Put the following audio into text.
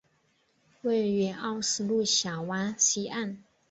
位于奥斯陆峡湾西岸。